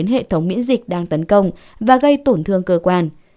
bốn hệ thống miễn dịch đang tấn công và gây tổn thương cơ quan